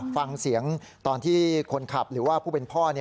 ฟังเสียงตอนที่คนขับหรือว่าผู้เป็นพ่อ